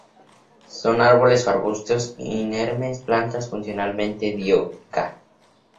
Son árboles o arbustos, inermes; plantas funcionalmente dioicas.